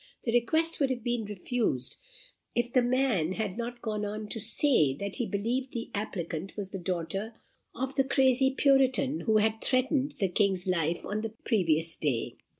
The request would have been refused, if the man had not gone on to say that he believed the applicant was the daughter of the crazy Puritan, who had threatened the King's life on the previous day.